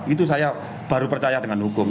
itu saya baru percaya dengan hukum